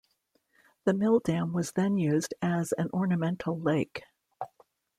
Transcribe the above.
The mill dam was then used as an ornamental lake.